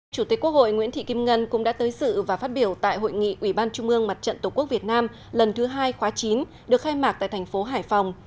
chủ tịch quốc hội nguyễn thị kim ngân cũng đã tới sự và phát biểu tại hội nghị ủy ban trung ương mặt trận tổ quốc việt nam lần thứ hai khóa chín được khai mạc tại thành phố hải phòng